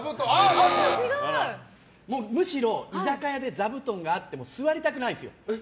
むしろ、居酒屋で座布団があっても座りたくないんですよ。